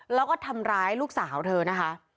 แล้วก็ทำร้ายลูกสาวเธอนะคะ